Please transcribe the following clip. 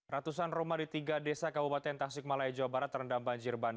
ratusan rumah di tiga desa kabupaten tasik malaya jawa barat terendam banjir